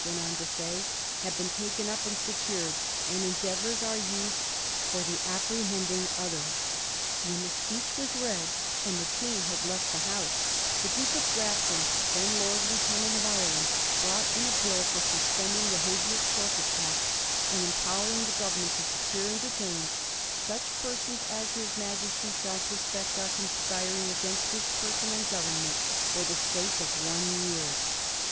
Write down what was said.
went on to say, * have been taken up and secured, and endeavours are used for the apprehending others/ When the speech was read, and the King had left the House, the Duke of Grafton, then Lord Lieutenant of Ireland, brought in a Bill for suspending the Habeas Corpus Act, and empowering the Gro vemment to secure and detain 'such persons as his Majesty shall suspect are conspiring against his person and government, for the space of one year.'